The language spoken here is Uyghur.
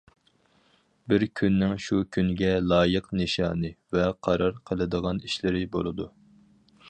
بىر كۈننىڭ شۇ كۈنگە لايىق نىشانى ۋە قارار قىلىدىغان ئىشلىرى بولىدۇ.